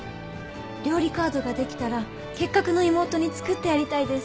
料理カードができたら結核の妹に作ってやりたいです。